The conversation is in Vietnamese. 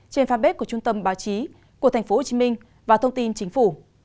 trên fanpage của trung tâm báo chí của tp hcm và thông tin chính phủ